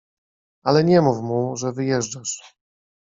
— Ale nie mów mu, że wyjeżdżasz!